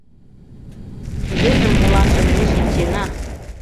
Кузежым-моланжым ме шинчена.